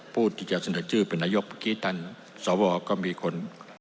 ผู้ที่จะเสนอชื่อเป็นนายกเมื่อกี้ท่านสวก็มีคน